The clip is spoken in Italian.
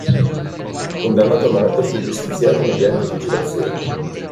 Condannato a morte, fu giustiziato mediante fucilazione.